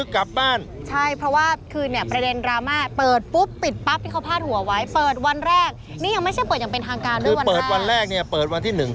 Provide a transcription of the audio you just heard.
คือเปิดวันแรกเปิดวันที่หนึ่ง